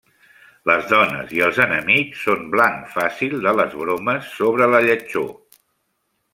Les dones i els enemics són blanc fàcil de les bromes sobre la lletjor.